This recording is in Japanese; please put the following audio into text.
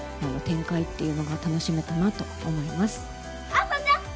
「朝ちゃん！」